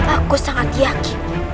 aku sangat yakin